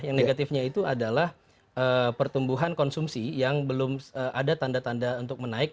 yang negatifnya itu adalah pertumbuhan konsumsi yang belum ada tanda tanda untuk menaik